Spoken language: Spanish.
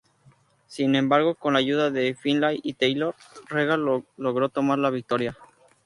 Sin embargo con la ayuda de Finlay y Taylor, Regal logró tomar la victoria.